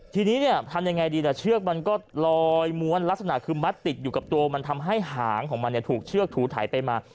ทีนี้เนี่ยทำยังไงดีล่ะเชือกมันก็ลอยม้วนลักษณะคือมัดติดอยู่กับตัวมันทำให้หางของมันถูกเชือกถูไถไปมา